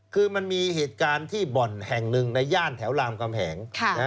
คือมันมีเหตุการณ์ที่บ่อนแห่งหนึ่งในย่านแถวรามกำแหง